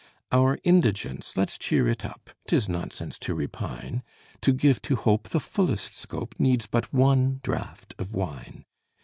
Our indigence let's cheer it up; 'Tis nonsense to repine; To give to Hope the fullest scope Needs but one draught of wine.